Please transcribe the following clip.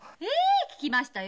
聞きましたよ。